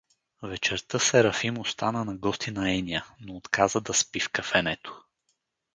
Вечерта Серафим остана на гости на Еня, но отказа да спи в кафенето.